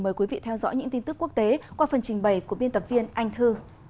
mời quý vị theo dõi những tin tức quốc tế qua phần trình bày của biên tập viên anh thư